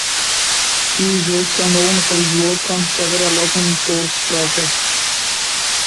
He is also known for his work on several open source projects.